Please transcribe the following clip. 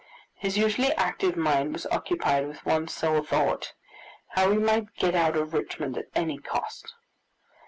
His usually active mind was occupied with one sole thought how he might get out of Richmond at any cost.